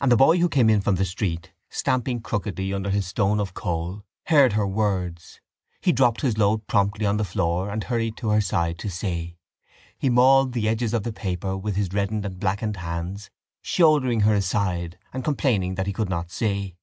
And the boy who came in from the street, stamping crookedly under his stone of coal, heard her words. He dropped his load promptly on the floor and hurried to her side to see. He mauled the edges of the paper with his reddened and blackened hands, shouldering her aside and complaining that he could not see.